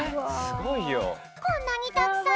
こんなにたくさん！